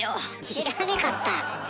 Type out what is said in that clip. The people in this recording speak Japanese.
知らねかった。